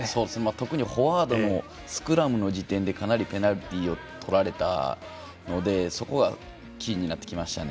特にフォワードのスクラムの時点でかなりペナルティーをとられたのでそこがキーになってきましたね。